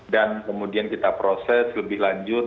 dan kemudian kita proses lebih lanjut